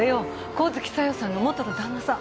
神月沙代さんの元の旦那さん。